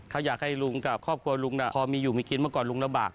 เขาอยากให้ลุงกับครอบครัวลุงพอมีอยู่มีกินเมื่อก่อนลุงลำบาก